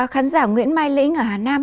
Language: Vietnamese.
khán giả nguyễn mai lĩnh ở hà nam